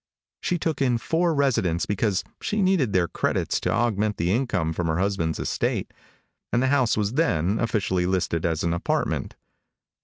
She took in four residents because she needed their credits to augment the income from her husband's estate, and the house was then officially listed as an apartment.